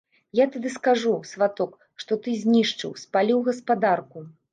Я тады скажу, сваток, што ты знішчыў, спаліў гаспадарку.